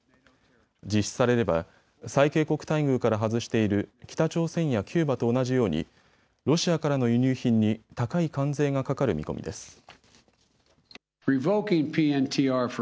実施されれば最恵国待遇から外している北朝鮮やキューバと同じようにロシアからの輸入品に高い関税がかかる見込みです。